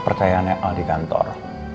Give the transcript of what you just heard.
percayaan yang ada di kantor